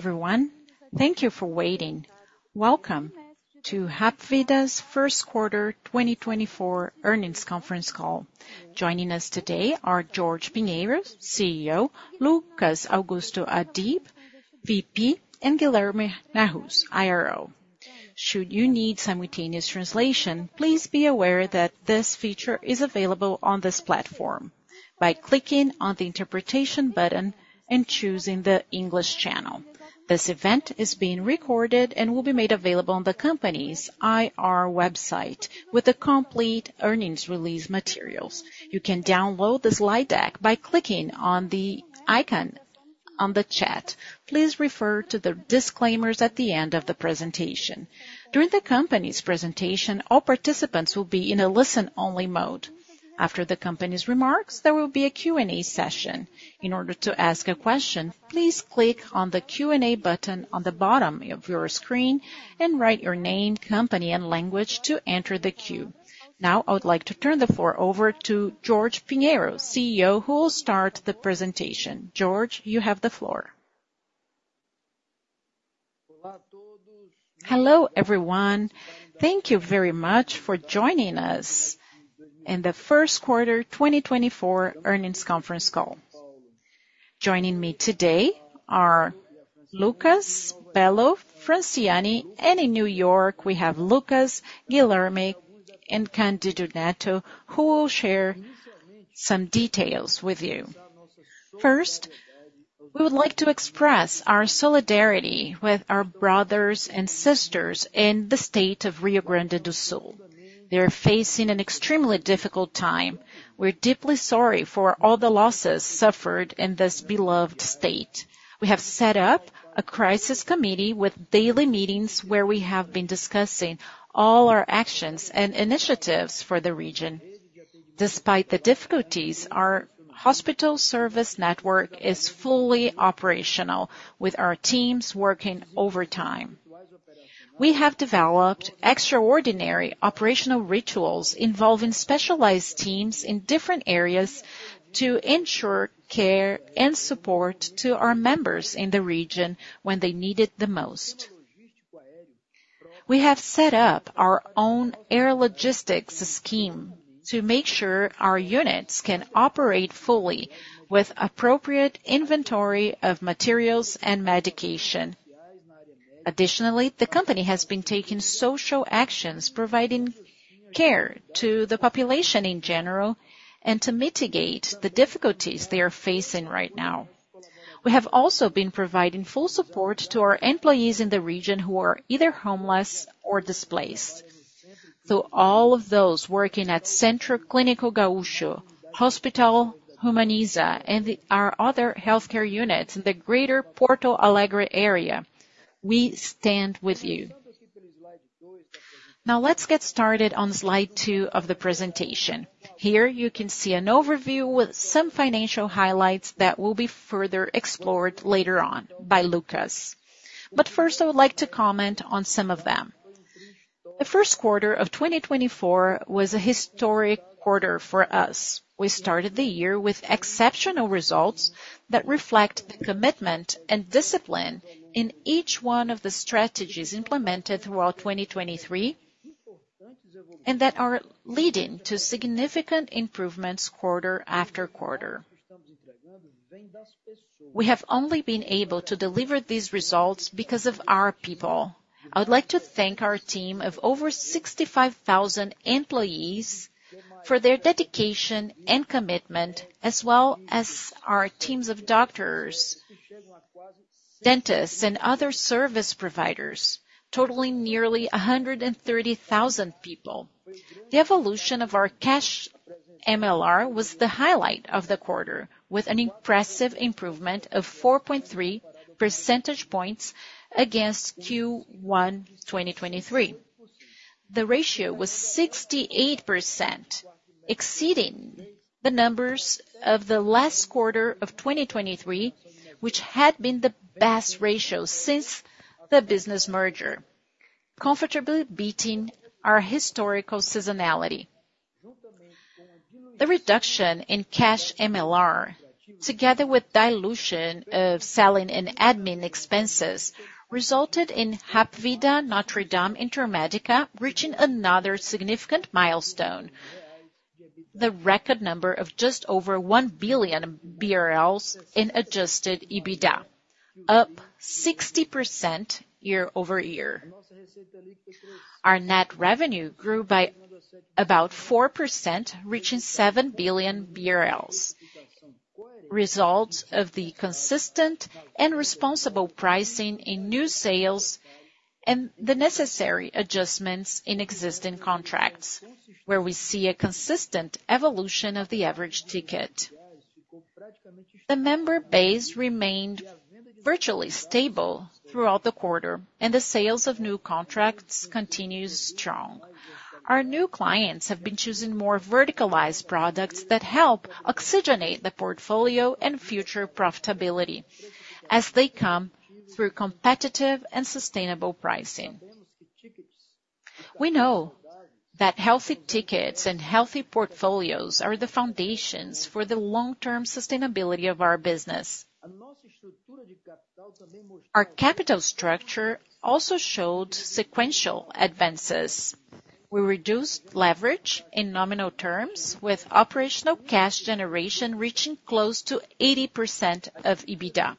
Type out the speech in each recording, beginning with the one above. Hello everyone, thank you for waiting. Welcome to Hapvida's first quarter 2024 earnings conference call. Joining us today are Jorge Pinheiro, CEO; Luccas Adib, VP; and Guilherme Nahuz, IRO. Should you need simultaneous translation, please be aware that this feature is available on this platform by clicking on the interpretation button and choosing the English Channel. This event is being recorded and will be made available on the company's IR website with the complete earnings release materials. You can download the slide deck by clicking on the icon on the chat. Please refer to the disclaimers at the end of the presentation. During the company's presentation, all participants will be in a listen-only mode. After the company's remarks, there will be a Q&A session. In order to ask a question, please click on the Q&A button on the bottom of your screen and write your name, company, and language to enter the queue. Now I would like to turn the floor over to Jorge Pinheiro, CEO, who will start the presentation. Jorge, you have the floor. Hello everyone, thank you very much for joining us in the first quarter 2024 earnings conference call. Joining me today are Luccas, Bello, Franciane, and in New York we have Luccas, Guilherme, and Cândido Neto who will share some details with you. First, we would like to express our solidarity with our brothers and sisters in the state of Rio Grande do Sul. They are facing an extremely difficult time. We're deeply sorry for all the losses suffered in this beloved state. We have set up a crisis committee with daily meetings where we have been discussing all our actions and initiatives for the region. Despite the difficulties, our hospital service network is fully operational with our teams working overtime. We have developed extraordinary operational rituals involving specialized teams in different areas to ensure care and support to our members in the region when they need it the most. We have set up our own air logistics scheme to make sure our units can operate fully with appropriate inventory of materials and medication. Additionally, the company has been taking social actions providing care to the population in general and to mitigate the difficulties they are facing right now. We have also been providing full support to our employees in the region who are either homeless or displaced. To all of those working at Centro Clínico Gaúcho, Hospital Humaniza, and our other healthcare units in the Greater Porto Alegre area, we stand with you. Now let's get started on slide two of the presentation. Here you can see an overview with some financial highlights that will be further explored later on by Luccas. But first I would like to comment on some of them. The first quarter of 2024 was a historic quarter for us. We started the year with exceptional results that reflect the commitment and discipline in each one of the strategies implemented throughout 2023 and that are leading to significant improvements quarter after quarter. We have only been able to deliver these results because of our people. I would like to thank our team of over 65,000 employees for their dedication and commitment, as well as our teams of doctors, dentists, and other service providers, totaling nearly 130,000 people. The evolution of our cash MLR was the highlight of the quarter, with an impressive improvement of 4.3 percentage points against Q1 2023. The ratio was 68%, exceeding the numbers of the last quarter of 2023, which had been the best ratio since the business merger, comfortably beating our historical seasonality. The reduction in cash MLR, together with dilution of selling and admin expenses, resulted in Hapvida Notre Dame Intermédica reaching another significant milestone: the record number of just over 1 billion BRL in adjusted EBITDA, up 60% year-over-year. Our net revenue grew by about 4%, reaching 7 billion BRL, result of the consistent and responsible pricing in new sales and the necessary adjustments in existing contracts, where we see a consistent evolution of the average ticket. The member base remained virtually stable throughout the quarter, and the sales of new contracts continue strong. Our new clients have been choosing more verticalized products that help oxygenate the portfolio and future profitability as they come through competitive and sustainable pricing. We know that healthy tickets and healthy portfolios are the foundations for the long-term sustainability of our business. Our capital structure also showed sequential advances. We reduced leverage in nominal terms, with operational cash generation reaching close to 80% of EBITDA.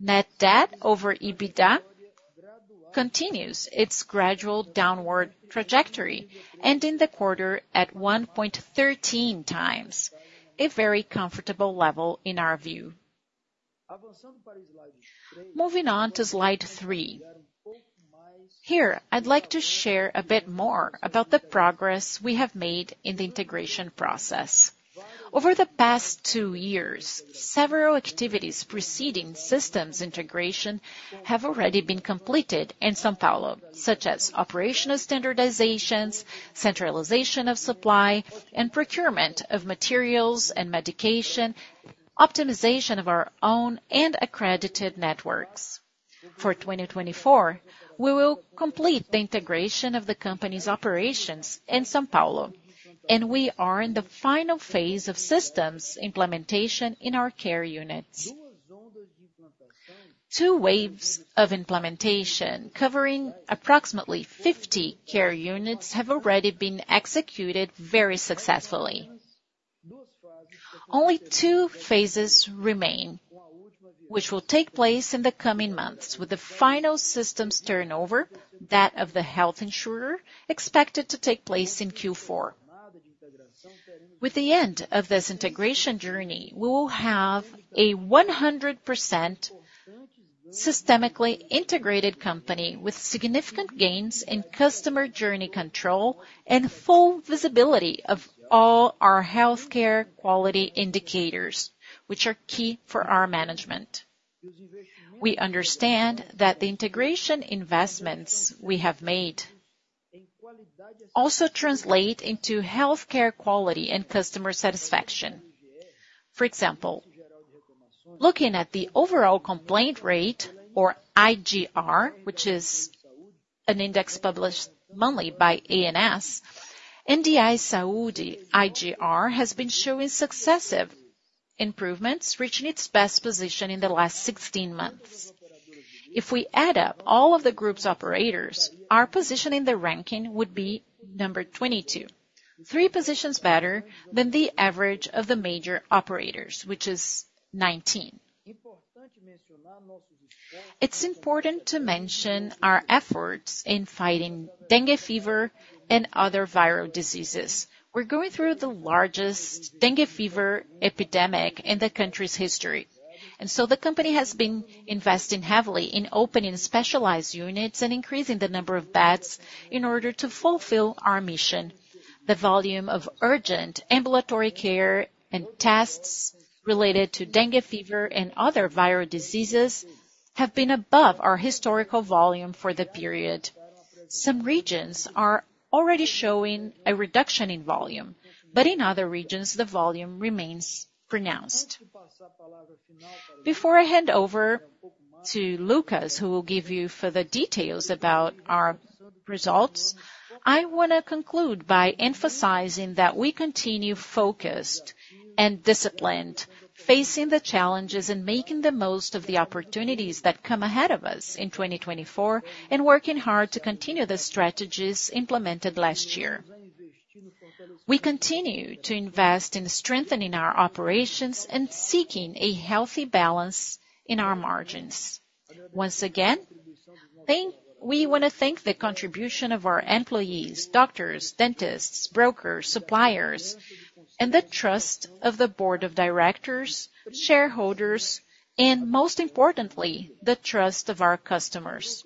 Net debt over EBITDA continues its gradual downward trajectory ending the quarter at 1.13 times, a very comfortable level in our view. Moving on to slide 3, here I'd like to share a bit more about the progress we have made in the integration process. Over the past 2 years, several activities preceding systems integration have already been completed in São Paulo, such as operational standardizations, centralization of supply, and procurement of materials and medication, optimization of our own and accredited networks. For 2024, we will complete the integration of the company's operations in São Paulo, and we are in the final phase of systems implementation in our care units. 2 waves of implementation covering approximately 50 care units have already been executed very successfully. Only 2 phases remain, which will take place in the coming months with the final systems turnover, that of the health insurer, expected to take place in Q4. With the end of this integration journey, we will have a 100% systemically integrated company with significant gains in customer journey control and full visibility of all our healthcare quality indicators, which are key for our management. We understand that the integration investments we have made also translate into healthcare quality and customer satisfaction. For example, looking at the overall complaint rate, or IGR, which is an index published monthly by ANS, NDI's IGR has been showing successive improvements, reaching its best position in the last 16 months. If we add up all of the group's operators, our position in the ranking would be number 22, three positions better than the average of the major operators, which is 19. It's important to mention our efforts in fighting dengue fever and other viral diseases. We're going through the largest dengue fever epidemic in the country's history, and so the company has been investing heavily in opening specialized units and increasing the number of beds in order to fulfill our mission. The volume of urgent ambulatory care and tests related to dengue fever and other viral diseases have been above our historical volume for the period. Some regions are already showing a reduction in volume, but in other regions the volume remains pronounced. Before I hand over to Luccas, who will give you further details about our results, I want to conclude by emphasizing that we continue focused and disciplined, facing the challenges and making the most of the opportunities that come ahead of us in 2024, and working hard to continue the strategies implemented last year. We continue to invest in strengthening our operations and seeking a healthy balance in our margins. Once again, we want to thank the contribution of our employees, doctors, dentists, brokers, suppliers, and the trust of the board of directors, shareholders, and most importantly, the trust of our customers.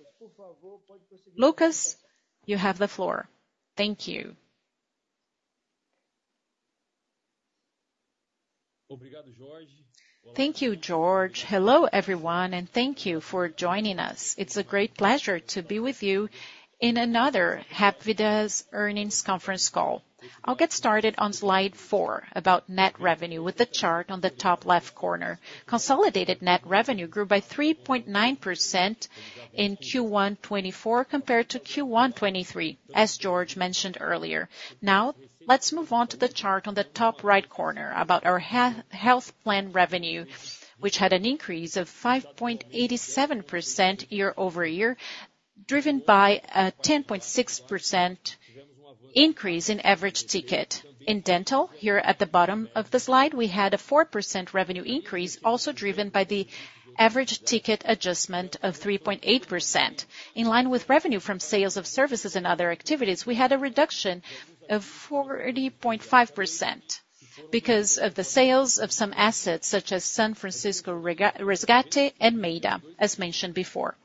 Luccas, you have the floor. Thank you. Thank you, Jorge. Hello everyone and thank you for joining us. It's a great pleasure to be with you in another Hapvida's earnings conference call. I'll get started on slide 4 about net revenue with the chart on the top left corner. Consolidated net revenue grew by 3.9% in Q1 2024 compared to Q1 2023, as Jorge mentioned earlier. Now let's move on to the chart on the top right corner about our health plan revenue, which had an increase of 5.87% year-over-year, driven by a 10.6% increase in average ticket. In dental, here at the bottom of the slide, we had a 4% revenue increase, also driven by the average ticket adjustment of 3.8%. In line with revenue from sales of services and other activities, we had a reduction of 40.5% because of the sales of some assets such as São Francisco Resgate and Maida, as mentioned before.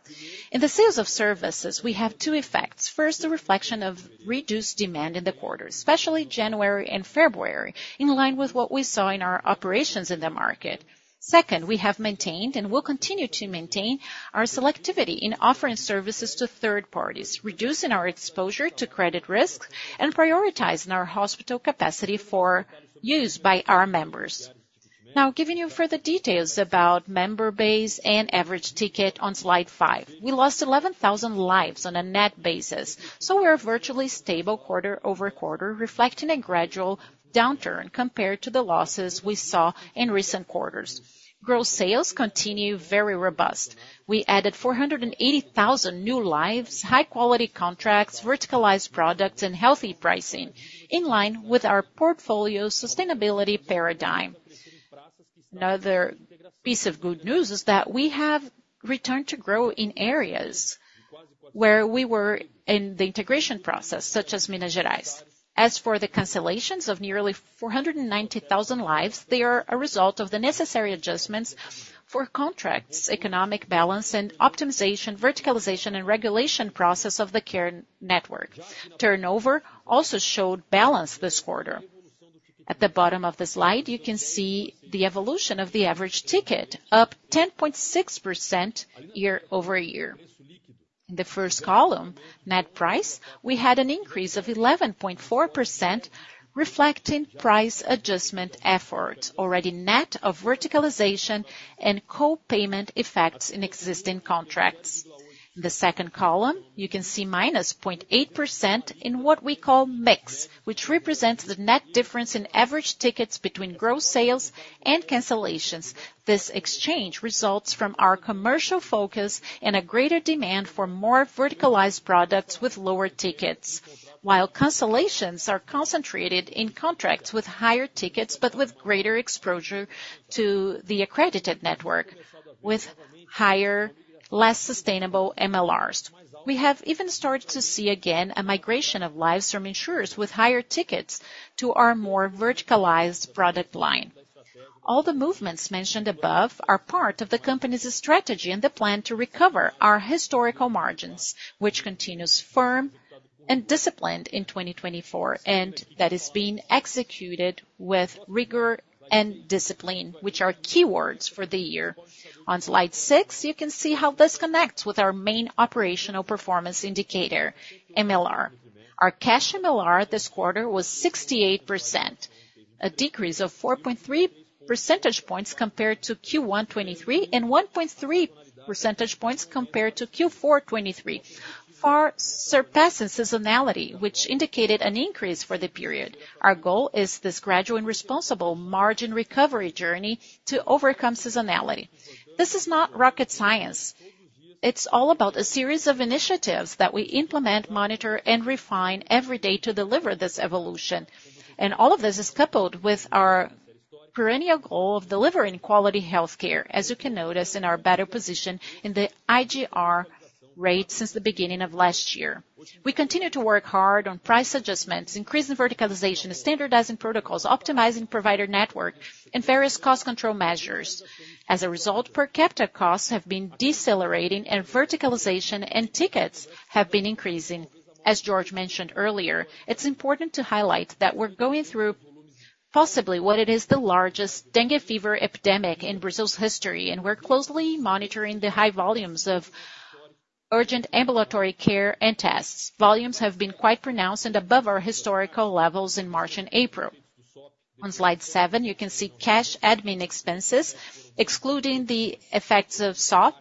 In the sales of services, we have two effects. First, the reflection of reduced demand in the quarter, especially January and February, in line with what we saw in our operations in the market. Second, we have maintained and will continue to maintain our selectivity in offering services to third parties, reducing our exposure to credit risk, and prioritizing our hospital capacity for use by our members. Now, giving you further details about member base and average ticket on slide five. We lost 11,000 lives on a net basis, so we're virtually stable quarter-over-quarter, reflecting a gradual downturn compared to the losses we saw in recent quarters. Gross sales continue very robust. We added 480,000 new lives, high-quality contracts, verticalized products, and healthy pricing, in line with our portfolio sustainability paradigm. Another piece of good news is that we have returned to grow in areas where we were in the integration process, such as Minas Gerais. As for the cancellations of nearly 490,000 lives, they are a result of the necessary adjustments for contracts, economic balance, and optimization, verticalization, and regulation process of the care network. Turnover also showed balance this quarter. At the bottom of the slide, you can see the evolution of the average ticket, up 10.6% year-over-year. In the first column, net price, we had an increase of 11.4%, reflecting price adjustment efforts, already net of verticalization and copayment effects in existing contracts. In the second column, you can see -0.8% in what we call mix, which represents the net difference in average tickets between gross sales and cancellations. This exchange results from our commercial focus and a greater demand for more verticalized products with lower tickets, while cancellations are concentrated in contracts with higher tickets but with greater exposure to the accredited network, with higher, less sustainable MLRs. We have even started to see again a migration of lives from insurers with higher tickets to our more verticalized product line. All the movements mentioned above are part of the company's strategy and the plan to recover our historical margins, which continues firm and disciplined in 2024, and that is being executed with rigor and discipline, which are keywords for the year. On slide 6, you can see how this connects with our main operational performance indicator, MLR. Our cash MLR this quarter was 68%, a decrease of 4.3 percentage points compared to Q1 2023 and 1.3 percentage points compared to Q4 2023, far surpassing seasonality, which indicated an increase for the period. Our goal is this gradual and responsible margin recovery journey to overcome seasonality. This is not rocket science. It's all about a series of initiatives that we implement, monitor, and refine every day to deliver this evolution. All of this is coupled with our perennial goal of delivering quality healthcare, as you can notice in our better position in the IGR rate since the beginning of last year. We continue to work hard on price adjustments, increasing verticalization, standardizing protocols, optimizing provider network, and various cost control measures. As a result, per capita costs have been decelerating, and verticalization and tickets have been increasing. As Jorge mentioned earlier, it's important to highlight that we're going through possibly what is the largest dengue fever epidemic in Brazil's history, and we're closely monitoring the high volumes of urgent ambulatory care and tests. Volumes have been quite pronounced and above our historical levels in March and April. On slide seven, you can see cash admin expenses, excluding the effects of SOP,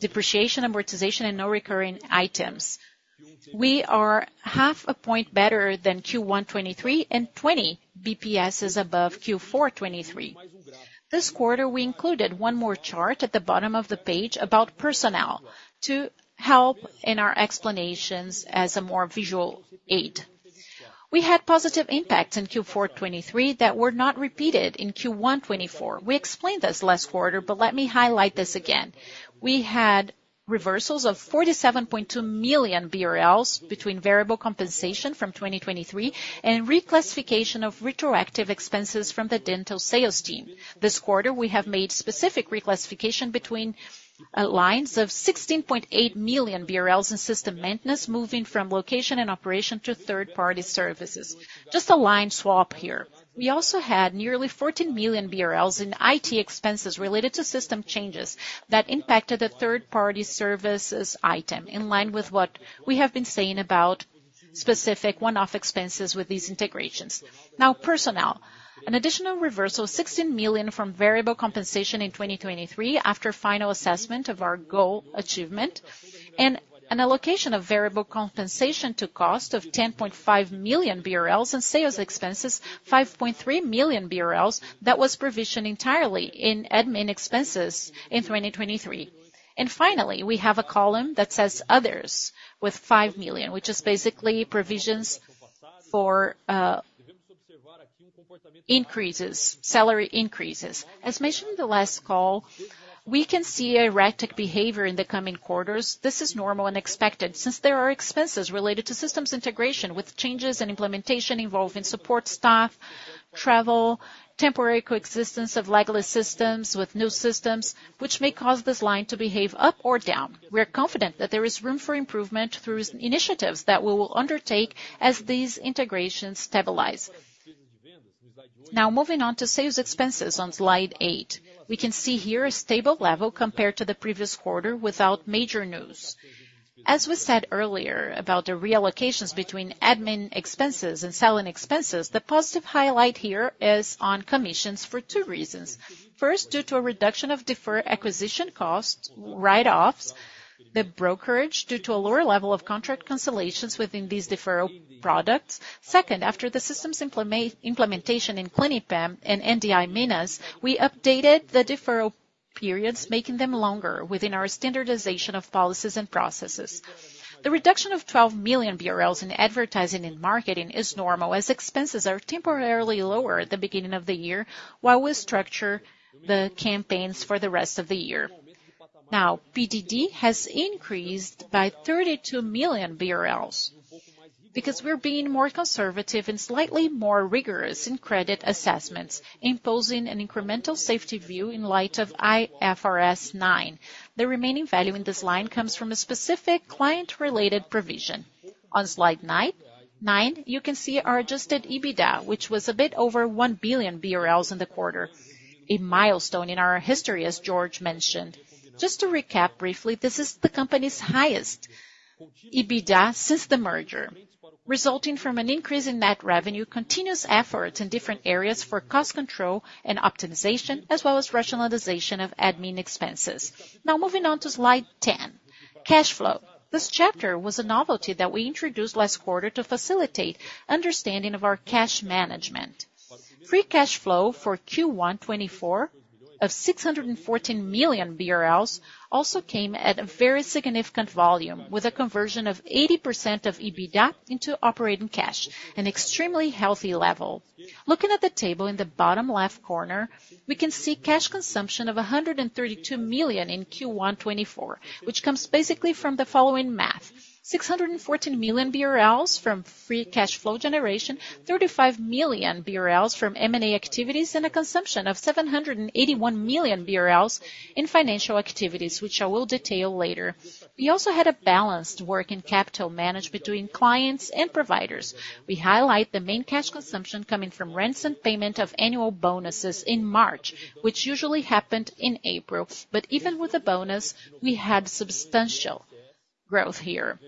depreciation, amortization, and non-recurring items. We are half a point better than Q1 2023 and 20 basis points above Q4 2023. This quarter, we included one more chart at the bottom of the page about personnel to help in our explanations as a more visual aid. We had positive impacts in Q4 2023 that were not repeated in Q1 2024. We explained this last quarter, but let me highlight this again. We had reversals of 47.2 million BRL between variable compensation from 2023 and reclassification of retroactive expenses from the dental sales team. This quarter, we have made specific reclassification between lines of 16.8 million BRL in system maintenance, moving from location and operation to third-party services. Just a line swap here. We also had nearly 14 million BRL in IT expenses related to system changes that impacted the third-party services item, in line with what we have been saying about specific one-off expenses with these integrations. Now, personnel. An additional reversal of 16 million from variable compensation in 2023 after final assessment of our goal achievement and an allocation of variable compensation to cost of 10.5 million BRL and sales expenses, 5.3 million BRL that was provisioned entirely in admin expenses in 2023. Finally, we have a column that says others with 5 million, which is basically provisions for salary increases. As mentioned in the last call, we can see erratic behavior in the coming quarters. This is normal and expected since there are expenses related to systems integration with changes and implementation involving support staff, travel, temporary coexistence of legal assistance with new systems, which may cause this line to behave up or down. We are confident that there is room for improvement through initiatives that we will undertake as these integrations stabilize. Now, moving on to sales expenses on slide 8. We can see here a stable level compared to the previous quarter without major news. As we said earlier about the reallocations between admin expenses and selling expenses, the positive highlight here is on commissions for two reasons. First, due to a reduction of deferred acquisition costs, write-offs, the brokerage due to a lower level of contract cancellations within these deferral products. Second, after the systems implementation in Clinipam and NDI Minas, we updated the deferral periods, making them longer within our standardization of policies and processes. The reduction of 12 million BRL in advertising and marketing is normal as expenses are temporarily lower at the beginning of the year while we structure the campaigns for the rest of the year. Now, PDD has increased by 32 million BRL because we're being more conservative and slightly more rigorous in credit assessments, imposing an incremental safety view in light of IFRS 9. The remaining value in this line comes from a specific client-related provision. On slide 9, you can see our Adjusted EBITDA, which was a bit over 1 billion BRL in the quarter, a milestone in our history, as Jorge mentioned. Just to recap briefly, this is the company's highest EBITDA since the merger, resulting from an increase in net revenue, continuous efforts in different areas for cost control and optimization, as well as rationalization of admin expenses. Now, moving on to slide 10, cash flow. This chapter was a novelty that we introduced last quarter to facilitate understanding of our cash management. Free cash flow for Q1 2024 of 614 million BRL also came at a very significant volume with a conversion of 80% of EBITDA into operating cash, an extremely healthy level. Looking at the table in the bottom left corner, we can see cash consumption of 132 million in Q1 2024, which comes basically from the following math: 614 million BRL from free cash flow generation, 35 million BRL from M&A activities, and a consumption of 781 million BRL in financial activities, which I will detail later. We also had a balanced work in capital management between clients and providers. We highlight the main cash consumption coming from rents and payment of annual bonuses in March, which usually happened in April. But even with the bonus, we had substantial growth here.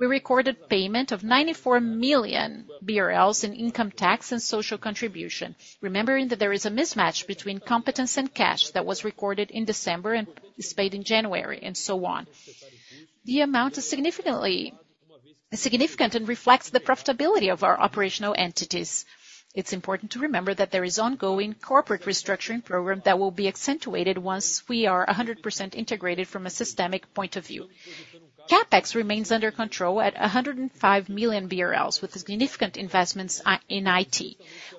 We recorded payment of 94 million BRL in income tax and social contribution, remembering that there is a mismatch between competence and cash that was recorded in December and spent in January, and so on. The amount is significant and reflects the profitability of our operational entities. It's important to remember that there is an ongoing corporate restructuring program that will be accentuated once we are 100% integrated from a systemic point of view. CapEx remains under control at 105 million BRL with significant investments in IT.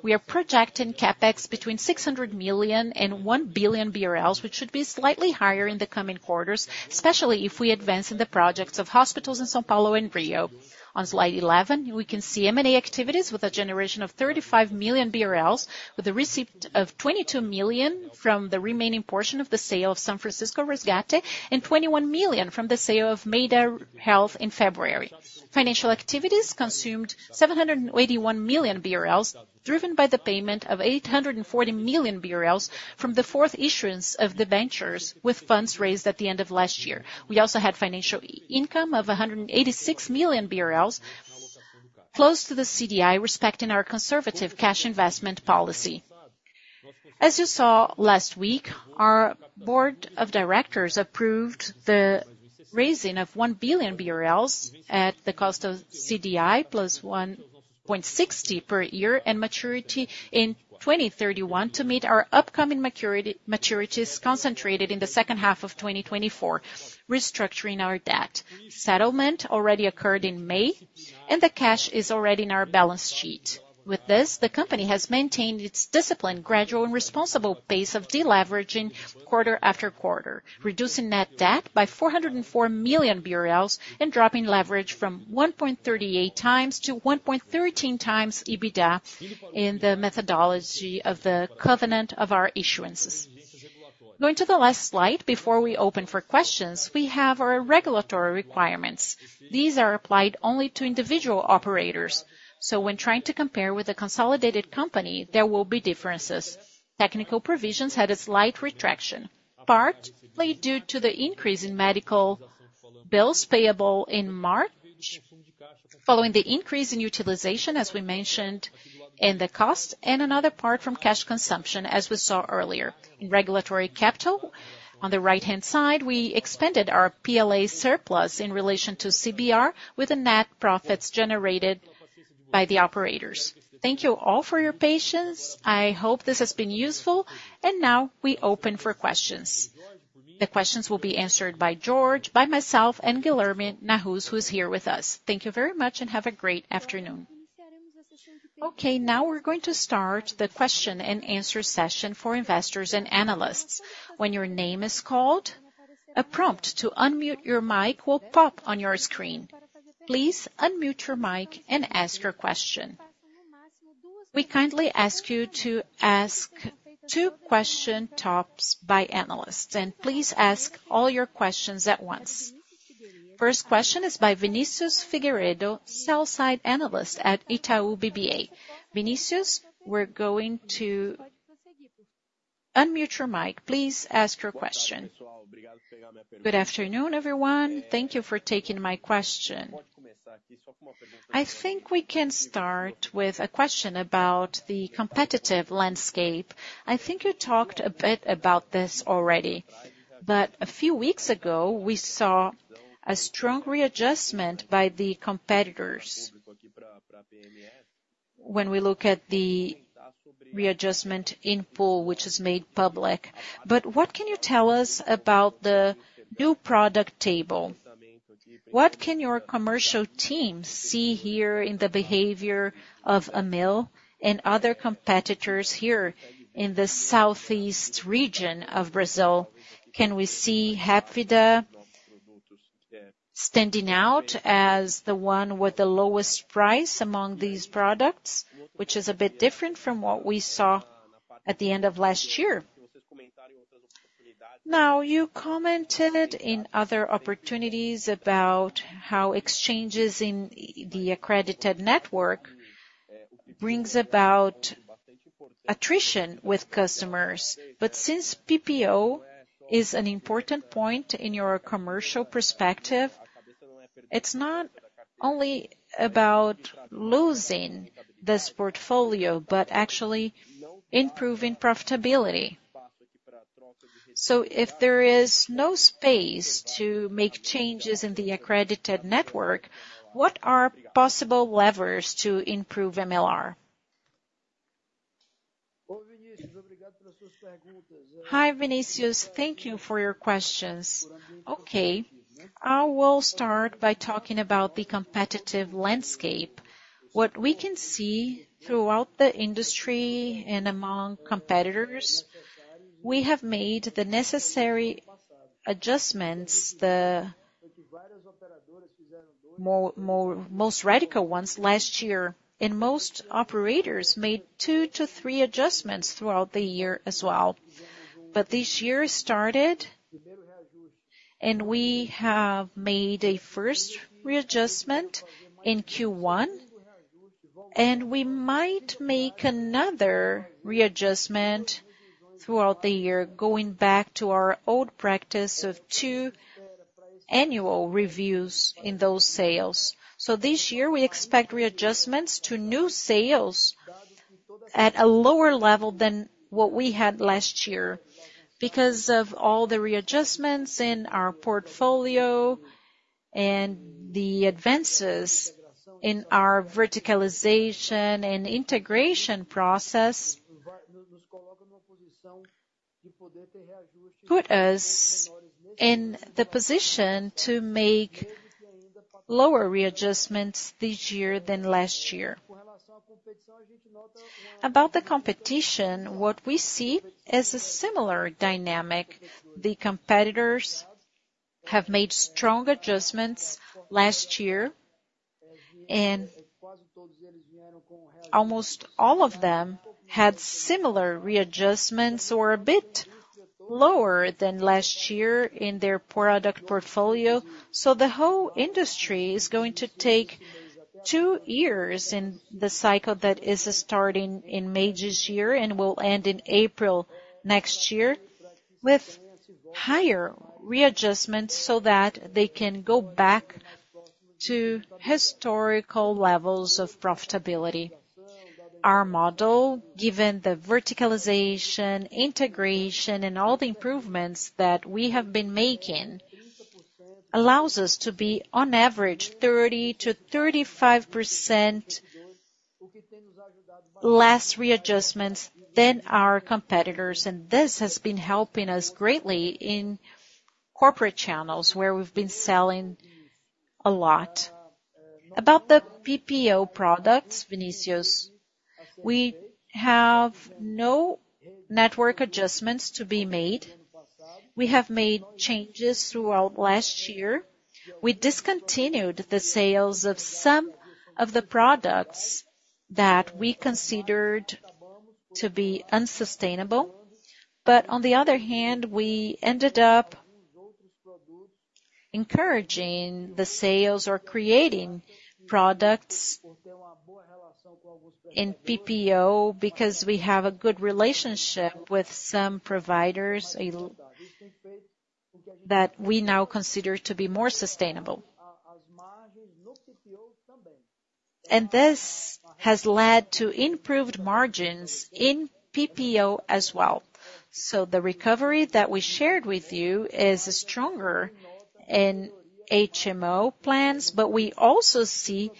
We are projecting CapEx between 600 million-1 billion BRL, which should be slightly higher in the coming quarters, especially if we advance in the projects of hospitals in São Paulo and Rio. On slide 11, we can see M&A activities with a generation of 35 million BRL, with a receipt of 22 million from the remaining portion of the sale of São Francisco Resgate and 21 million from the sale of Maida Health in February. Financial activities consumed 781 million BRL, driven by the payment of 840 million BRL from the fourth issuance of the debentures with funds raised at the end of last year. We also had financial income of 186 million BRL close to the CDI, respecting our conservative cash investment policy. As you saw last week, our board of directors approved the raising of 1 billion BRL at the cost of CDI plus 1.60% per year and maturity in 2031 to meet our upcoming maturities concentrated in the second half of 2024, restructuring our debt. Settlement already occurred in May, and the cash is already in our balance sheet. With this, the company has maintained its disciplined, gradual, and responsible pace of deleveraging quarter after quarter, reducing net debt by 404 million BRL and dropping leverage from 1.38x to 1.13x EBITDA in the methodology of the covenant of our issuances. Going to the last slide before we open for questions, we have our regulatory requirements. These are applied only to individual operators. So when trying to compare with a consolidated company, there will be differences. Technical provisions had a slight retraction, partly due to the increase in medical bills payable in March following the increase in utilization, as we mentioned, and the cost, and another part from cash consumption, as we saw earlier. In regulatory capital, on the right-hand side, we expanded our PLA surplus in relation to CBR with the net profits generated by the operators. Thank you all for your patience. I hope this has been useful. Now we open for questions. The questions will be answered by Jorge, by myself, and Guilherme Nahuz, who is here with us. Thank you very much and have a great afternoon. Okay, now we're going to start the question and answer session for investors and analysts. When your name is called, a prompt to unmute your mic will pop on your screen. Please unmute your mic and ask your question. We kindly ask you to ask two questions tops by analysts, and please ask all your questions at once. First question is by Vinícius Figueiredo, sell-side analyst at Itaú BBA. Vinícius, we're going to unmute your mic. Please ask your question. Good afternoon, everyone. Thank you for taking my question. I think we can start with a question about the competitive landscape. I think you talked a bit about this already, but a few weeks ago, we saw a strong readjustment by the competitors when we look at the readjustment input, which is made public. But what can you tell us about the new product table? What can your commercial team see here in the behavior of Amil and other competitors here in the Southeast region of Brazil? Can we see Hapvida standing out as the one with the lowest price among these products, which is a bit different from what we saw at the end of last year? Now, you commented in other opportunities about how exchanges in the accredited network bring about attrition with customers. But since PPO is an important point in your commercial perspective, it's not only about losing this portfolio, but actually improving profitability. So if there is no space to make changes in the accredited network, what are possible levers to improve MLR? Hi, Vinícius. Thank you for your questions. Okay. I will start by talking about the competitive landscape. What we can see throughout the industry and among competitors, we have made the necessary adjustments, the most radical ones, last year. Most operators made 2-3 adjustments throughout the year as well. But this year started, and we have made a first readjustment in Q1, and we might make another readjustment throughout the year, going back to our old practice of two annual reviews in those sales. So this year, we expect readjustments to new sales at a lower level than what we had last year because of all the readjustments in our portfolio and the advances in our verticalization and integration process put us in the position to make lower readjustments this year than last year. About the competition, what we see is a similar dynamic. The competitors have made strong adjustments last year, and almost all of them had similar readjustments or a bit lower than last year in their product portfolio. So, the whole industry is going to take two years in the cycle that is starting in May this year and will end in April next year with higher readjustments so that they can go back to historical levels of profitability. Our model, given the verticalization, integration, and all the improvements that we have been making, allows us to be, on average, 30%-35% less readjustments than our competitors. And this has been helping us greatly in corporate channels where we've been selling a lot. About the PPO products, Vinícius, we have no network adjustments to be made. We have made changes throughout last year. We discontinued the sales of some of the products that we considered to be unsustainable. But on the other hand, we ended up encouraging the sales or creating products in PPO because we have a good relationship with some providers that we now consider to be more sustainable. And this has led to improved margins in PPO as well. So, the recovery that we shared with you is stronger in HMO plans, but we also see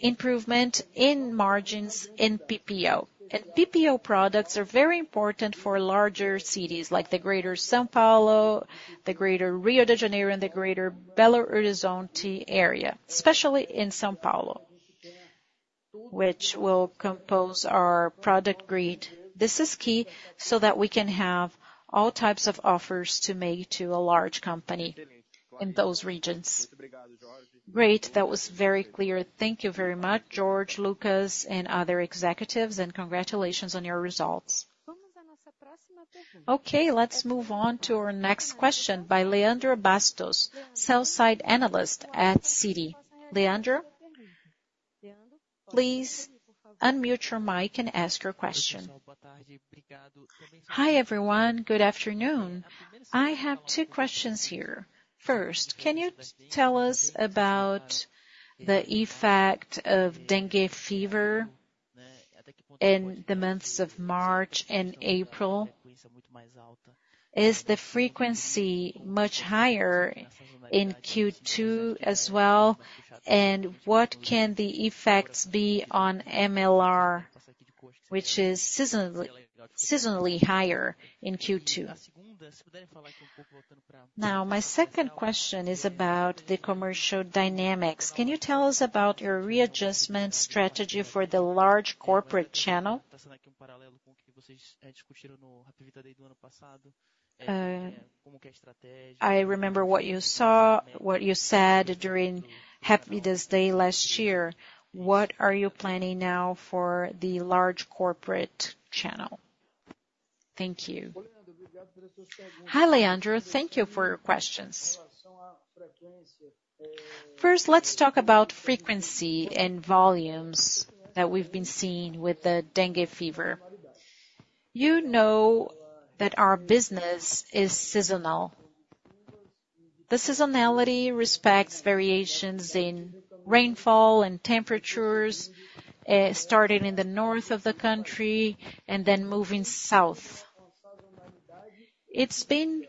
improvement in margins in PPO. And PPO products are very important for larger cities like the Greater São Paulo, the Greater Rio de Janeiro, and the Greater Belo Horizonte area, especially in São Paulo, which will compose our product grid. This is key so that we can have all types of offers to make to a large company in those regions. Great. That was very clear. Thank you very much, Jorge, Luccas, and other executives, and congratulations on your results. Okay, let's move on to our next question by Leandro Bastos, sell-side analyst at Citi. Leandro, please unmute your mic and ask your question. Hi everyone. Good afternoon. I have two questions here. First, can you tell us about the effect of dengue fever in the months of March and April? Is the frequency much higher in Q2 as well? And what can the effects be on MLR, which is seasonally higher in Q2? Now, my second question is about the commercial dynamics. Can you tell us about your readjustment strategy for the large corporate channel? I remember what you saw, what you said during Hapvida Day last year. What are you planning now for the large corporate channel? Thank you. Hi Leandro. Thank you for your questions. First, let's talk about frequency and volumes that we've been seeing with the dengue fever. You know that our business is seasonal. The seasonality respects variations in rainfall and temperatures starting in the north of the country and then moving south. It's been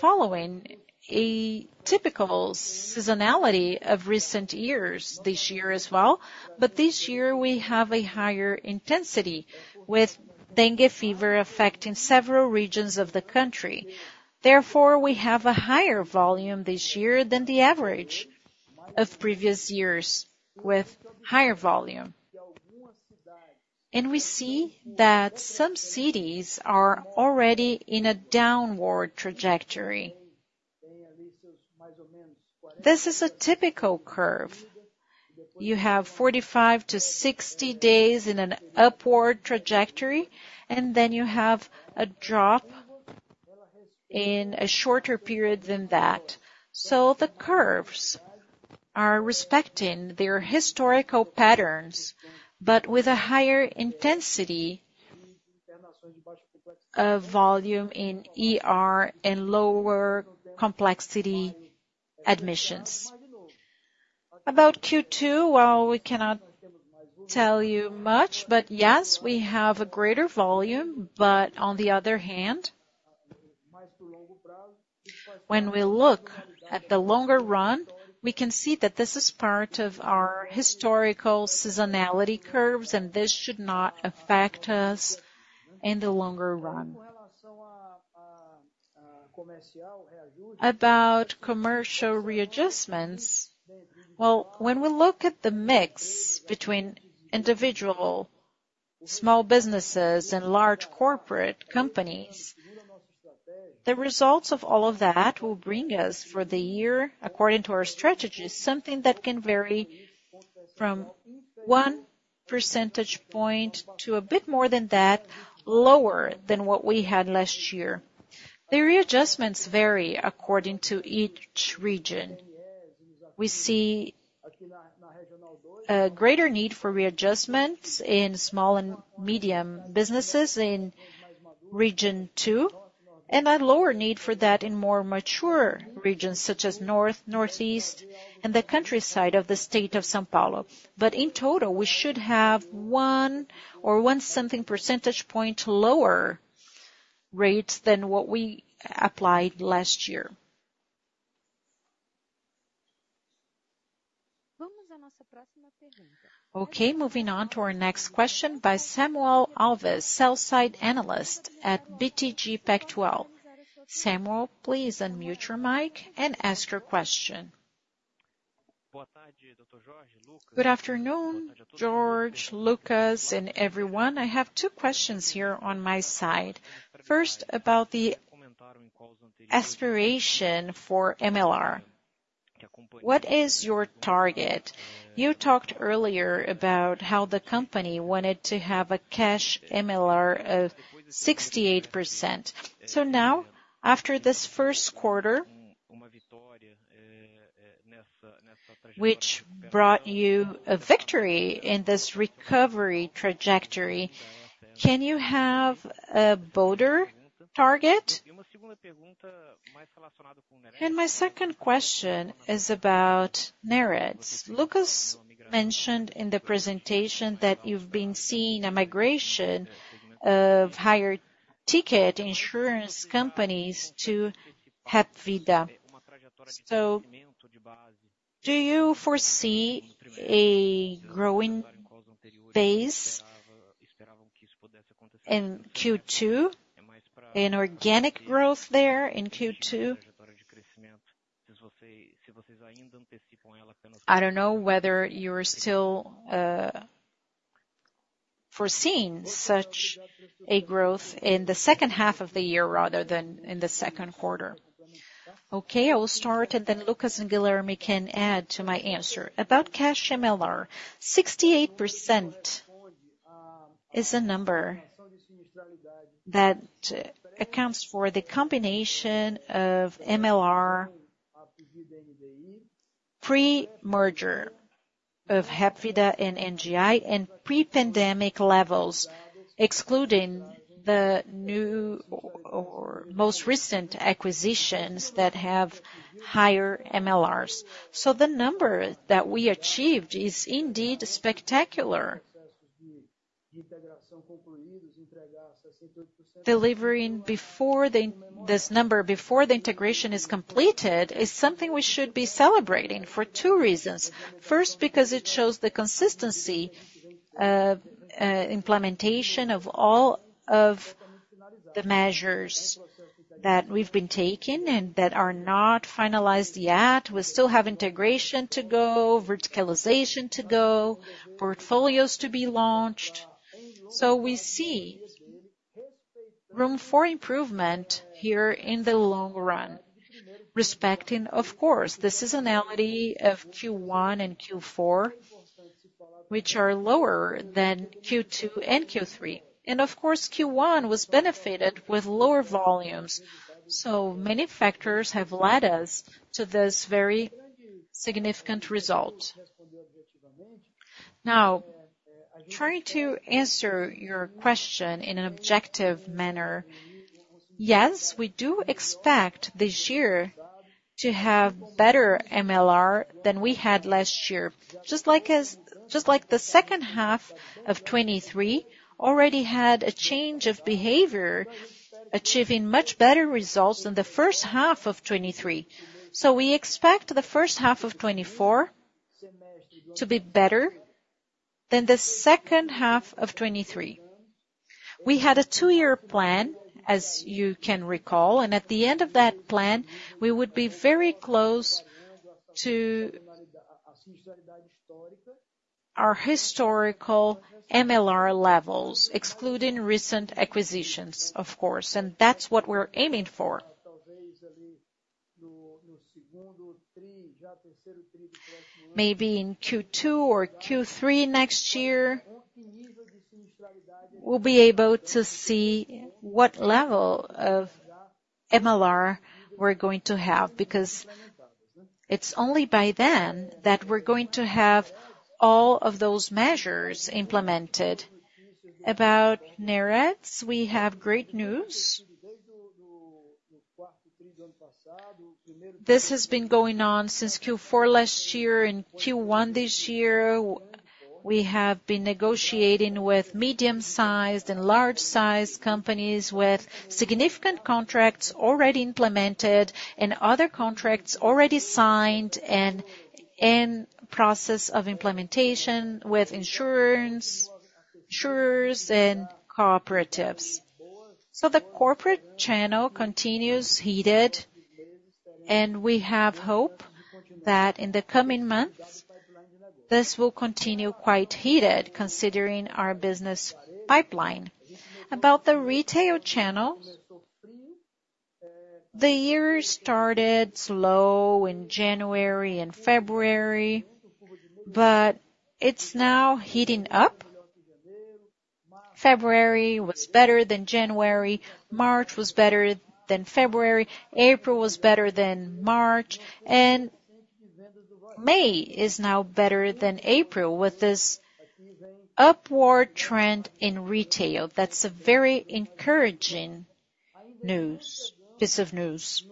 following a typical seasonality of recent years this year as well. But this year, we have a higher intensity with dengue fever affecting several regions of the country. Therefore, we have a higher volume this year than the average of previous years, with higher volume. And we see that some cities are already in a downward trajectory. This is a typical curve. You have 45-60 days in an upward trajectory, and then you have a drop in a shorter period than that. So, the curves are respecting their historical patterns, but with a higher intensity of volume in and lower complexity admissions. About Q2, well, we cannot tell you much. But yes, we have a greater volume. But on the other hand, when we look at the longer run, we can see that this is part of our historical seasonality curves, and this should not affect us in the longer run. About commercial readjustments, well, when we look at the mix between individual small businesses and large corporate companies, the results of all of that will bring us for the year, according to our strategy, something that can vary from 1 percentage point to a bit more than that, lower than what we had last year. The readjustments vary according to each region. We see a greater need for readjustments in small and medium businesses in Region 2 and a lower need for that in more mature regions such as north, northeast, and the countryside of the state of São Paulo. But in total, we should have 1 or 1-something percentage point lower rates than what we applied last year. Okay, moving on to our next question by Samuel Alves, sell-side analyst at BTG Pactual. Samuel, please unmute your mic and ask your question. Good afternoon, Jorge, Luccas, and everyone. I have two questions here on my side. First, about the aspiration for MLR. What is your target? You talked earlier about how the company wanted to have a cash MLR of 68%. So now, after this first quarter, which brought you a victory in this recovery trajectory, can you have a bolder target? And my second question is about Net Adds. Luccas mentioned in the presentation that you've been seeing a migration of higher ticket insurance companies to Hapvida. So, do you foresee a growing base in Q2? An organic growth there in Q2? I don't know whether you're still foreseeing such a growth in the second half of the year rather than in the second quarter. Okay, I will start, and then Luccas and Guilherme can add to my answer. About cash MLR, 68% is a number that accounts for the combination of MLR pre-merger of Hapvida and NGI and pre-pandemic levels, excluding the new or most recent acquisitions that have higher MLRs. So, the number that we achieved is indeed spectacular. Delivering this number before the integration is completed is something we should be celebrating for two reasons. First, because it shows the consistency of implementation of all of the measures that we've been taking and that are not finalized yet. We still have integration to go, verticalization to go, portfolios to be launched. So, we see room for improvement here in the long run, respecting, of course, the seasonality of Q1 and Q4, which are lower than Q2 and Q3. And of course, Q1 was benefited with lower volumes. So many factors have led us to this very significant result. Now, trying to answer your question in an objective manner, yes, we do expect this year to have better MLR than we had last year, just like the second half of 2023 already had a change of behavior, achieving much better results than the first half of 2023. So, we expect the first half of 2024 to be better than the second half of 2023. We had a two-year plan, as you can recall. And at the end of that plan, we would be very close to our historical MLR levels, excluding recent acquisitions, of course. And that's what we're aiming for. Maybe in Q2 or Q3 next year, we'll be able to see what level of MLR we're going to have because it's only by then that we're going to have all of those measures implemented. About net adds, we have great news. This has been going on since Q4 last year. In Q1 this year, we have been negotiating with medium-sized and large-sized companies with significant contracts already implemented and other contracts already signed and in process of implementation with insurers and cooperatives. So, the corporate channel continues heated. And we have hope that in the coming months, this will continue quite heated considering our business pipeline. About the retail channel, the year started slow in January and February, but it's now heating up. February was better than January. March was better than February. April was better than March. May is now better than April with this upward trend in retail. That's a very encouraging piece of news.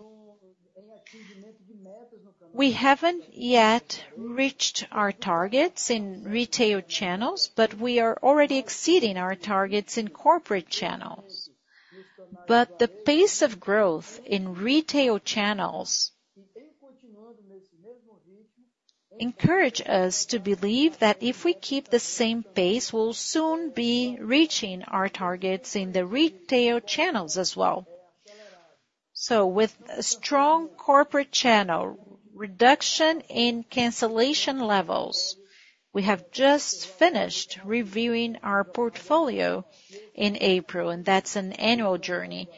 We haven't yet reached our targets in retail channels, but we are already exceeding our targets in corporate channels. The pace of growth in retail channels encourages us to believe that if we keep the same pace, we'll soon be reaching our targets in the retail channels as well. With strong corporate channel, reduction in cancellation levels, we have just finished reviewing our portfolio in April, and that's an annual journey.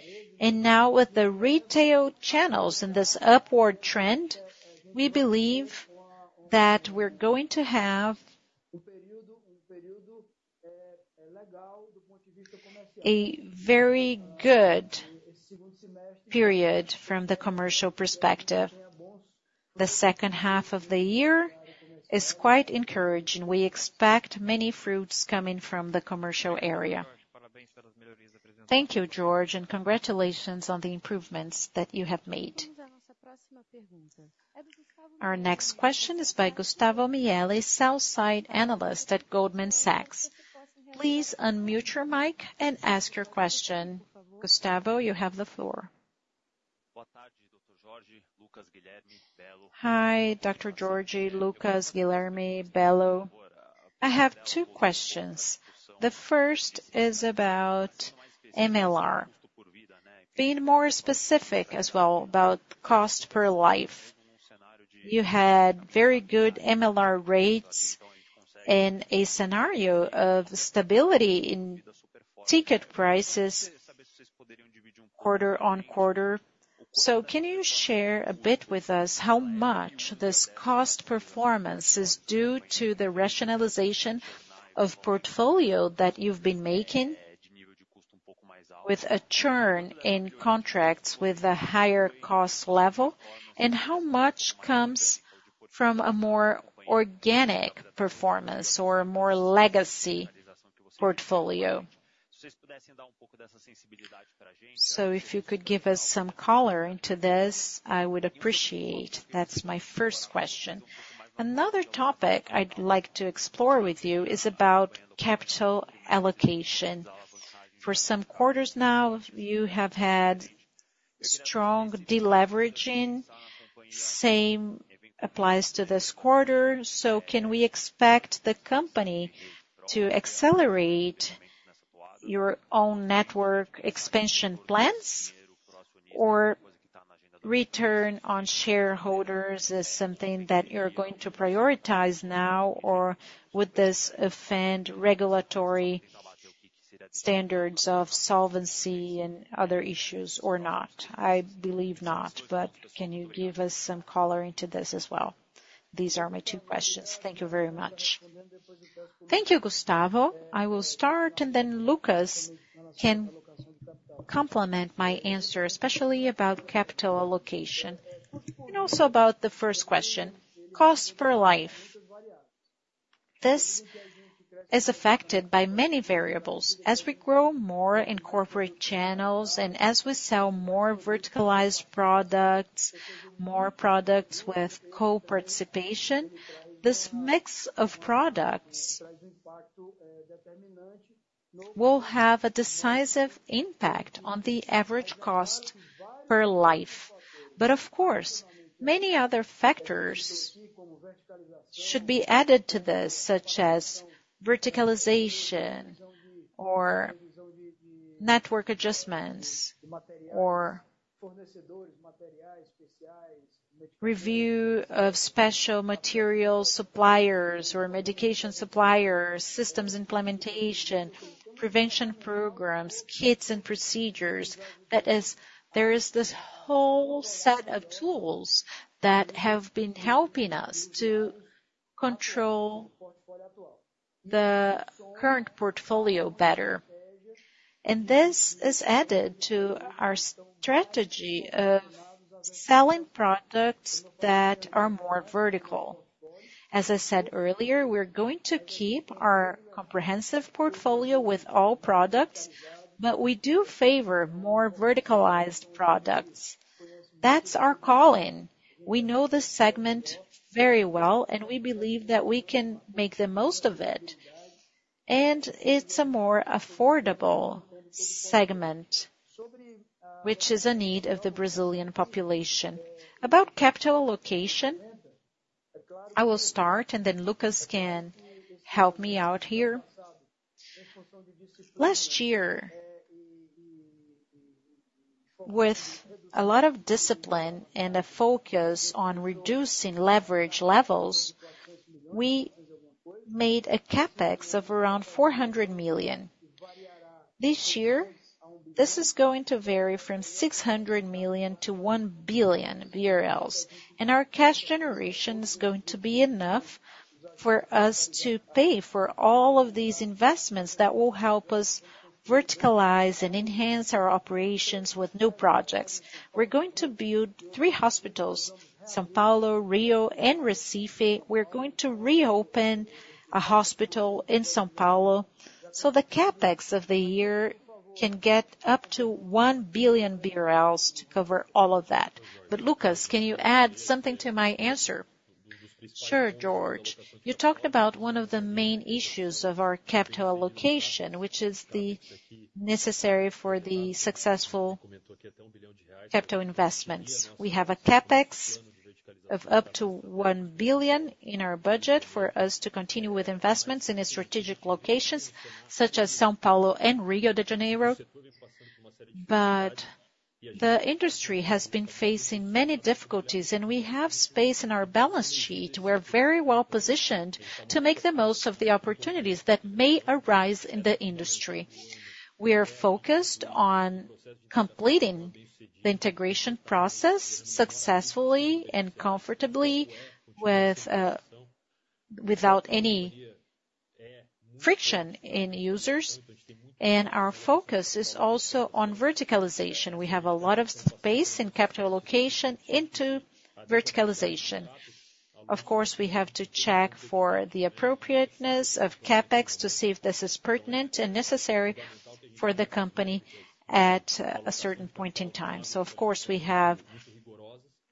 Now, with the retail channels in this upward trend, we believe that we're going to have a very good period from the commercial perspective. The second half of the year is quite encouraging. We expect many fruits coming from the commercial area. Thank you, Jorge, and congratulations on the improvements that you have made. Our next question is by Gustavo Miele, sell-side analyst at Goldman Sachs. Please unmute your mic and ask your question. Gustavo, you have the floor. Hi Dr. Jorge, Luccas, Guilherme, Bello. Hi Dr. Jorge, Luccas, Guilherme, Bello. I have two questions. The first is about MLR, being more specific as well about cost per life. You had very good MLR rates in a scenario of stability in ticket prices quarter-on-quarter. So, can you share a bit with us how much this cost performance is due to the rationalization of portfolio that you've been making with a churn in contracts with a higher cost level, and how much comes from a more organic performance or more legacy portfolio? So, if you could give us some color into this, I would appreciate. That's my first question. Another topic I'd like to explore with you is about capital allocation. For some quarters now, you have had strong deleveraging. Same applies to this quarter. So, can we expect the company to accelerate your own network expansion plans, or return to shareholders is something that you're going to prioritize now with this beyond regulatory standards of solvency and other issues or not? I believe not. But can you give us some color into this as well? These are my two questions. Thank you very much. Thank you, Gustavo. I will start, and then Luccas can complement my answer, especially about capital allocation and also about the first question, cost per life. This is affected by many variables. As we grow more in corporate channels and as we sell more verticalized products, more products with co-participation, this mix of products will have a decisive impact on the average cost per life. But of course, many other factors should be added to this, such as verticalization or network adjustments or review of special material suppliers or medication suppliers, systems implementation, prevention programs, kits, and procedures. That is, there is this whole set of tools that have been helping us to control the current portfolio better. And this is added to our strategy of selling products that are more vertical. As I said earlier, we're going to keep our comprehensive portfolio with all products, but we do favor more verticalized products. That's our calling. We know this segment very well, and we believe that we can make the most of it. And it's a more affordable segment, which is a need of the Brazilian population. About capital allocation, I will start, and then Luccas can help me out here. Last year, with a lot of discipline and a focus on reducing leverage levels, we made a CapEx of around 400 million. This year, this is going to vary from 600 million-1 billion. Our cash generation is going to be enough for us to pay for all of these investments that will help us verticalize and enhance our operations with new projects. We're going to build three hospitals, São Paulo, Rio, and Recife. We're going to reopen a hospital in São Paulo so the CapEx of the year can get up to 1 billion BRL to cover all of that. But Luccas, can you add something to my answer? Sure, Jorge. You talked about one of the main issues of our capital allocation, which is necessary for the successful capital investments. We have a CapEx of up to 1 billion in our budget for us to continue with investments in strategic locations such as São Paulo and Rio de Janeiro. But the industry has been facing many difficulties, and we have space in our balance sheet. We're very well positioned to make the most of the opportunities that may arise in the industry. We are focused on completing the integration process successfully and comfortably without any friction in users. And our focus is also on verticalization. We have a lot of space in capital allocation into verticalization. Of course, we have to check for the appropriateness of CapEx to see if this is pertinent and necessary for the company at a certain point in time. So of course, we have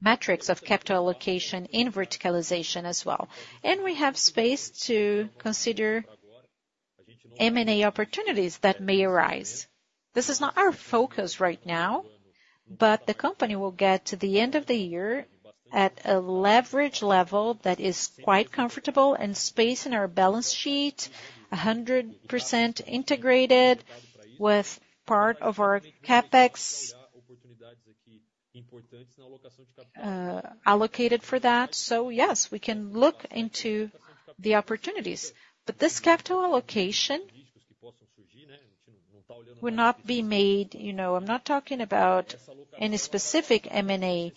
metrics of capital allocation in verticalization as well. And we have space to consider M&A opportunities that may arise. This is not our focus right now, but the company will get to the end of the year at a leverage level that is quite comfortable and space in our balance sheet, 100% integrated with part of our CapEx allocated for that. So yes, we can look into the opportunities. But this capital allocation, I'm not talking about any specific M&A,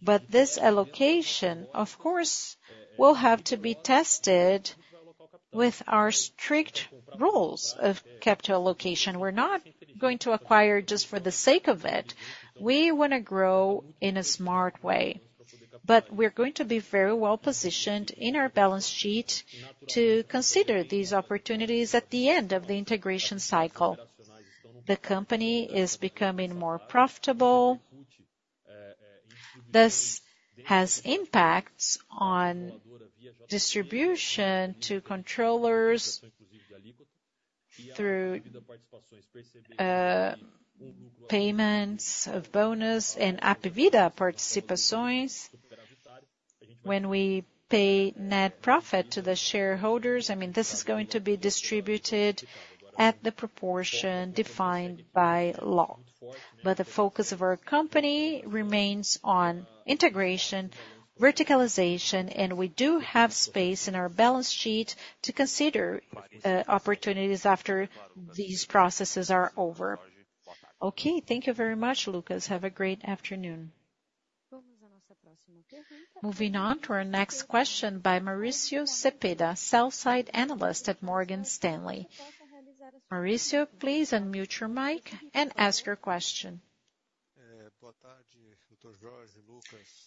but this allocation, of course, will have to be tested with our strict rules of capital allocation. We're not going to acquire just for the sake of it. We want to grow in a smart way. But we're going to be very well positioned in our balance sheet to consider these opportunities at the end of the integration cycle. The company is becoming more profitable. This has impacts on distribution to controllers through payments of bonus and Hapvida Participações. When we pay net profit to the shareholders, I mean, this is going to be distributed at the proportion defined by law. But the focus of our company remains on integration, verticalization, and we do have space in our balance sheet to consider opportunities after these processes are over. Okay. Thank you very much, Luccas. Have a great afternoon. Moving on to our next question by Maurício Cepeda, sell-side analyst at Morgan Stanley. Maurício, please unmute your mic and ask your question.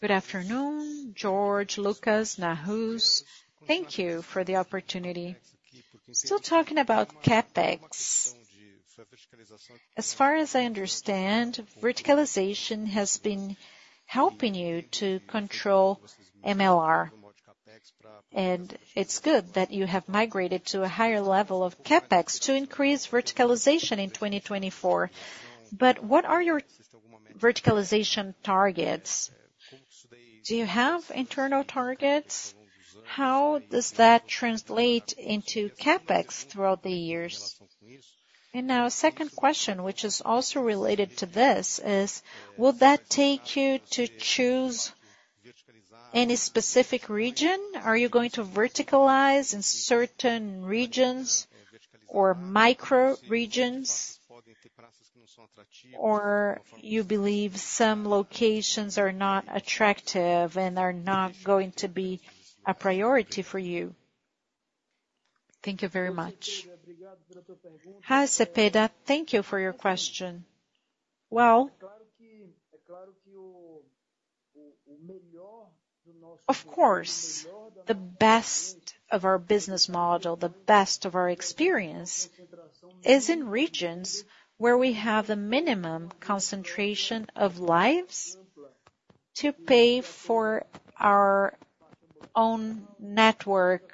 Good afternoon, Jorge, Luccas, Nahuz. Thank you for the opportunity. Still talking about CapEx. As far as I understand, verticalization has been helping you to control MLR. And it's good that you have migrated to a higher level of CapEx to increase verticalization in 2024. But what are your verticalization targets? Do you have internal targets? How does that translate into CapEx throughout the years? And now, second question, which is also related to this, is will that take you to choose any specific region? Are you going to verticalize in certain regions or micro-regions, or you believe some locations are not attractive and are not going to be a priority for you? Thank you very much. Hi, Cepeda. Thank you for your question. Well, of course, the best of our business model, the best of our experience, is in regions where we have the minimum concentration of lives to pay for our own network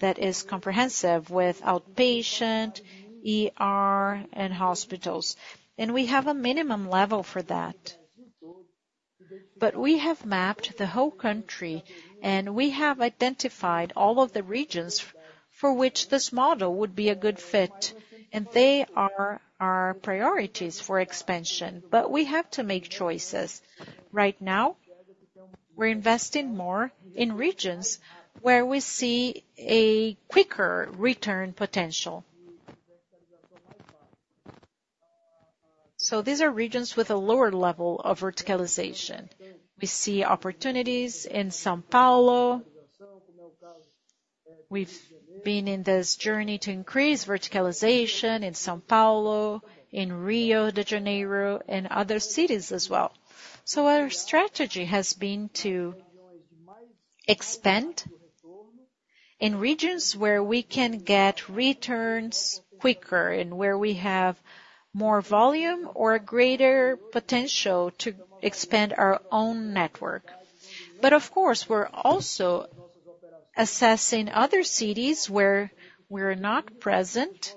that is comprehensive with outpatient, and hospitals. And we have a minimum level for that. But we have mapped the whole country, and we have identified all of the regions for which this model would be a good fit. And they are our priorities for expansion. But we have to make choices. Right now, we're investing more in regions where we see a quicker return potential. These are regions with a lower level of verticalization. We see opportunities in São Paulo. We've been in this journey to increase verticalization in São Paulo, in Rio de Janeiro, and other cities as well. Our strategy has been to expand in regions where we can get returns quicker and where we have more volume or a greater potential to expand our own network. But of course, we're also assessing other cities where we're not present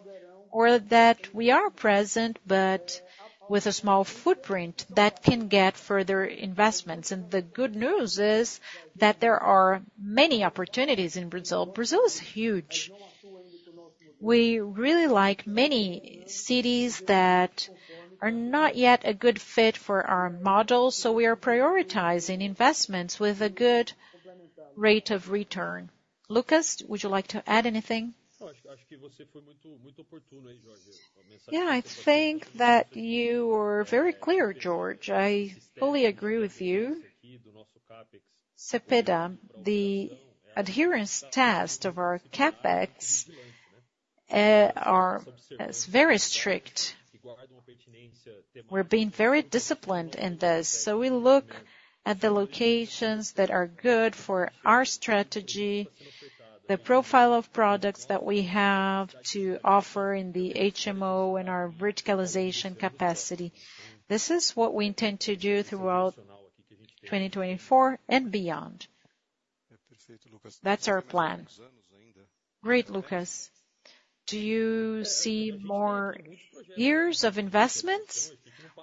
or that we are present but with a small footprint that can get further investments. The good news is that there are many opportunities in Brazil. Brazil is huge. We really like many cities that are not yet a good fit for our model, so we are prioritizing investments with a good rate of return. Lucas, would you like to add anything? Yeah, I think that you were very clear, Jorge. I fully agree with you. Cepeda, the adherence test of our CapEx is very strict. We're being very disciplined in this. So, we look at the locations that are good for our strategy, the profile of products that we have to offer in the HMO and our verticalization capacity. This is what we intend to do throughout 2024 and beyond. That's our plan. Great, Luccas. Do you see more years of investments?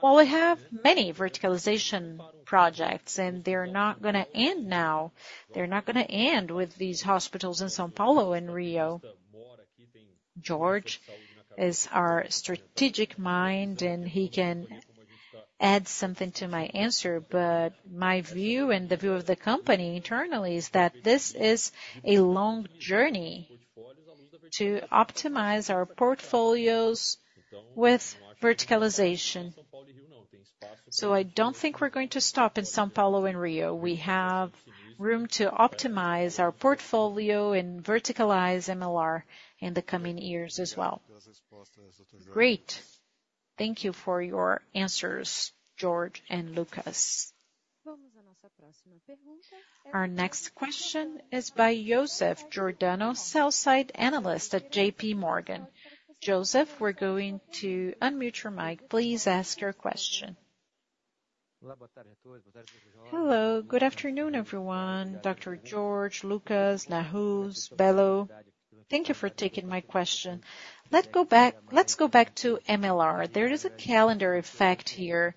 Well, we have many verticalization projects, and they're not going to end now. They're not going to end with these hospitals in São Paulo and Rio. Jorge is our strategic mind, and he can add something to my answer. But my view and the view of the company internally is that this is a long journey to optimize our portfolios with verticalization. So, I don't think we're going to stop in São Paulo and Rio. We have room to optimize our portfolio and verticalize MLR in the coming years as well. Great. Thank you for your answers, Jorge and Luccas. Our next question is by Joseph Giordano, sell-side analyst at J.P. Morgan. Joseph, we're going to unmute your mic. Please ask your question. Hello. Good afternoon, everyone. Dr. Jorge, Luccas, Nahuz, Bello, thank you for taking my question. Let's go back to MLR. There is a calendar effect here.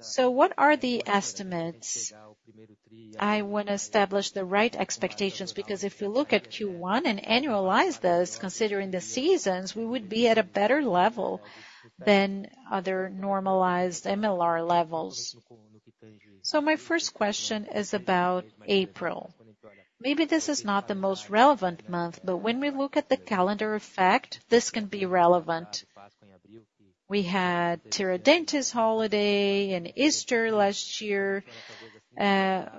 So, what are the estimates? I want to establish the right expectations because if we look at Q1 and annualize this, considering the seasons, we would be at a better level than other normalized MLR levels. So, my first question is about April. Maybe this is not the most relevant month, but when we look at the calendar effect, this can be relevant. We had Tiradentes holiday and Easter last year,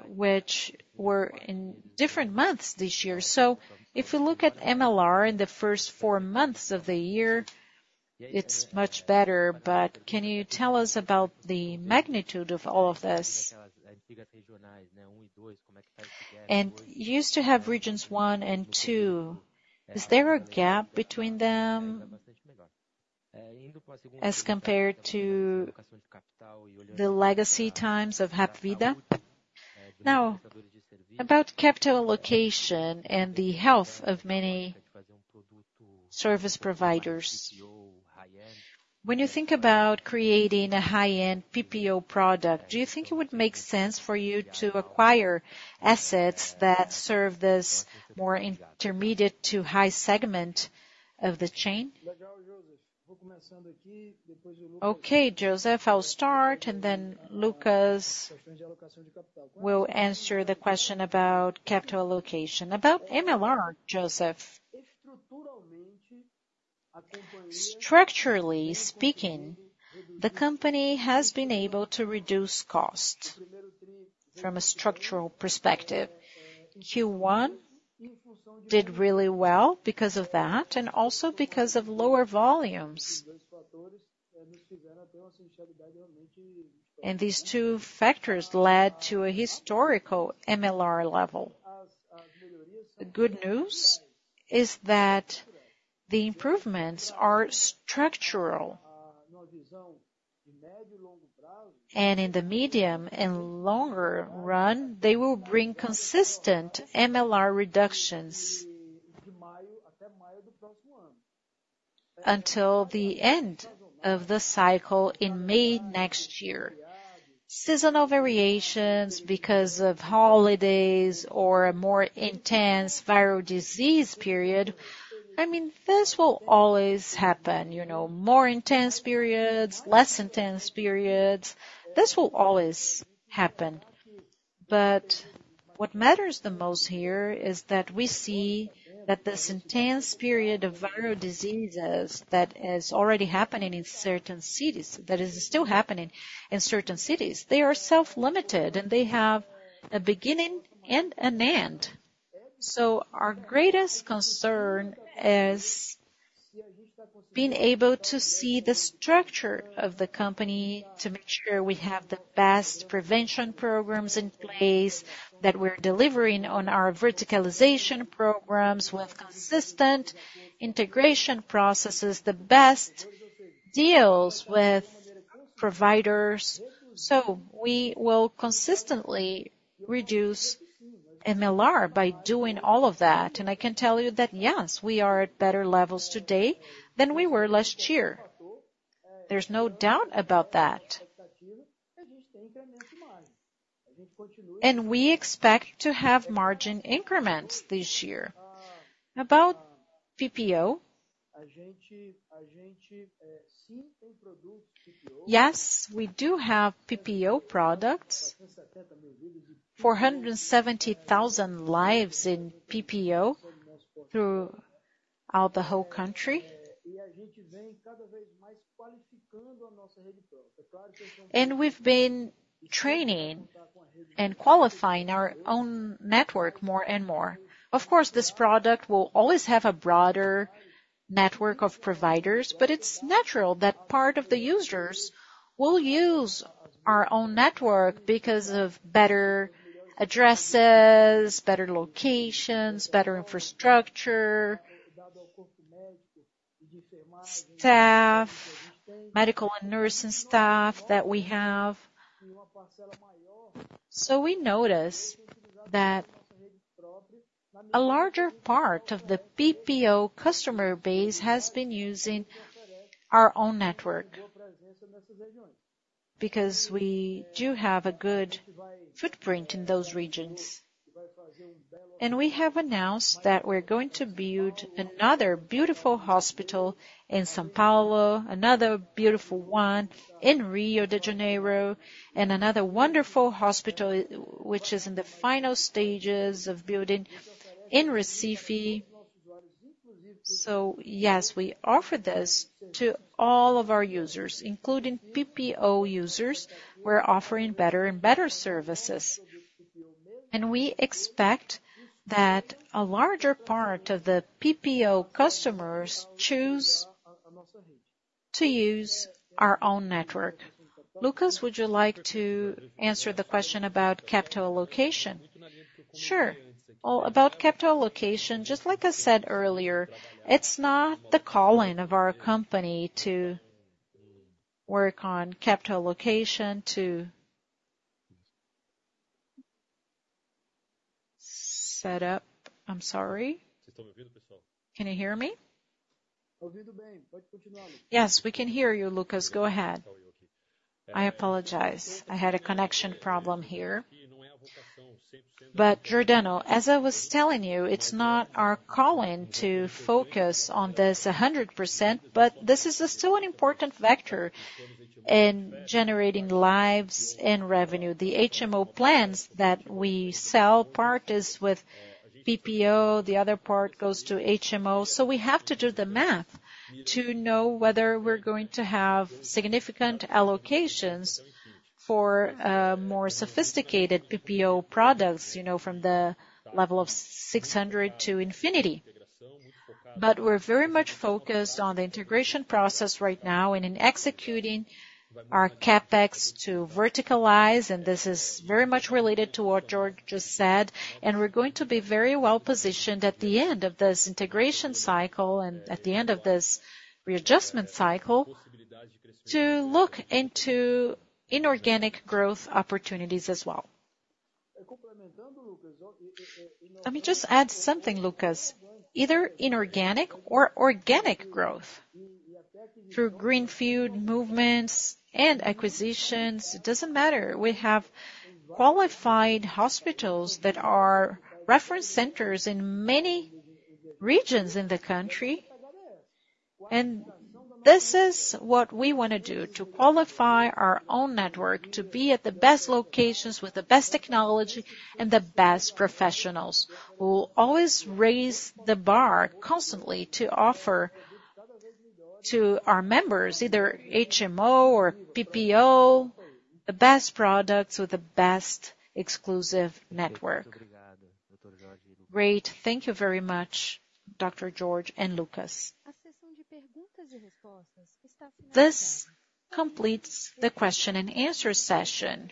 which were in different months this year. So, if we look at MLR in the first four months of the year, it's much better. But can you tell us about the magnitude of all of this? And you used to have regions one and two. Is there a gap between them as compared to the legacy times of Hapvida? Now, about capital allocation and the health of many service providers, when you think about creating a high-end PPO product, do you think it would make sense for you to acquire assets that serve this more intermediate to high segment of the chain? Okay, Joseph, I'll start, and then Luccas will answer the question about capital allocation. About MLR, Joseph, structurally speaking, the company has been able to reduce cost from a structural perspective. Q1 did really well because of that and also because of lower volumes. And these two factors led to a historical MLR level. The good news is that the improvements are structural. And in the medium and longer run, they will bring consistent MLR reductions until the end of the cycle in May next year. Seasonal variations because of holidays or a more intense viral disease period, I mean, this will always happen. More intense periods, less intense periods, this will always happen. But what matters the most here is that we see that this intense period of viral diseases that is already happening in certain cities, that is still happening in certain cities, they are self-limited, and they have a beginning and an end. So, our greatest concern is being able to see the structure of the company to make sure we have the best prevention programs in place that we're delivering on our verticalization programs with consistent integration processes, the best deals with providers. So, we will consistently reduce MLR by doing all of that. And I can tell you that, yes, we are at better levels today than we were last year. There's no doubt about that. And we expect to have margin increments this year. About PPO, yes, we do have PPO products, 470,000 lives in PPO throughout the whole country. And we've been training and qualifying our own network more and more. Of course, this product will always have a broader network of providers, but it's natural that part of the users will use our own network because of better addresses, better locations, better infrastructure, staff, medical and nursing staff that we have. So, we notice that a larger part of the PPO customer base has been using our own network because we do have a good footprint in those regions. And we have announced that we're going to build another beautiful hospital in São Paulo, another beautiful one in Rio de Janeiro, and another wonderful hospital which is in the final stages of building in Recife. So yes, we offer this to all of our users, including PPO users. We're offering better and better services. And we expect that a larger part of the PPO customers choose to use our own network. Luccas, would you like to answer the question about capital allocation? Sure. Well, about capital allocation, just like I said earlier, it's not the calling of our company to work on capital allocation, to set up. I'm sorry. Can you hear me? Yes, we can hear you, Luccas. Go ahead. I apologize. I had a connection problem here. But Giordano, as I was telling you, it's not our calling to focus on this 100%, but this is still an important factor in generating lives and revenue. The HMO plans that we sell, part is with PPO, the other part goes to HMO. So, we have to do the math to know whether we're going to have significant allocations for more sophisticated PPO products from the level of 600 to Infinity. But we're very much focused on the integration process right now and in executing our CapEx to verticalize, and this is very much related to what Jorge just said. And we're going to be very well positioned at the end of this integration cycle and at the end of this readjustment cycle to look into inorganic growth opportunities as well. Let me just add something, Luccas. Either inorganic or organic growth through greenfield movements and acquisitions, it doesn't matter. We have qualified hospitals that are reference centers in many regions in the country. And this is what we want to do, to qualify our own network to be at the best locations with the best technology and the best professionals. We'll always raise the bar constantly to offer to our members, either HMO or PPO, the best products with the best exclusive network. Great. Thank you very much, Dr. Jorge and Luccas. This completes the question-and-answer session.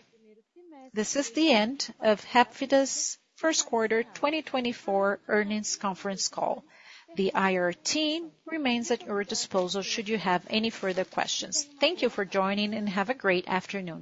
This is the end of Hapvida's first quarter 2024 earnings conference call. The IR team remains at your disposal should you have any further questions. Thank you for joining and have a great afternoon.